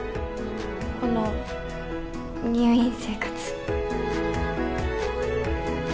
この入院生活。